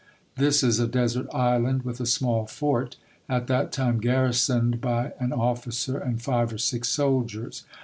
This is a desert island, with a small fort, at that time garrisoned by an officer and five or six soldiers.